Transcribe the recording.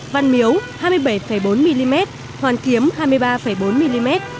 văn miếu hai mươi bảy bốn mm hoàn kiếm hai mươi ba bốn mm